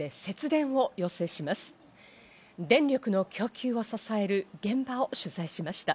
電力の供給を支える現場を取材しました。